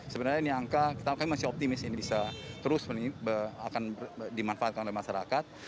sebenarnya ini angka kita masih optimis ini bisa terus akan dimanfaatkan oleh masyarakat